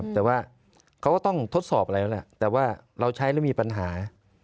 แต่ว่าเขาก็ต้องทดสอบอะไรแล้วแหละแต่ว่าเราใช้แล้วมีปัญหา